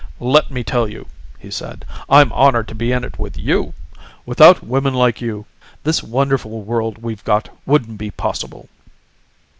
"Let me tell you," he said, "I'm honored to be in it with you. Without women like you, this wonderful world we've got wouldn't be possible."